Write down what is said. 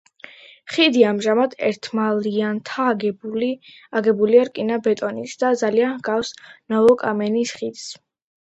ხიდი ამჟამად ერთმალიანია, აგებულია რკინა-ბეტონით და ძალიან ჰგავს ნოვო-კამენის ხიდს.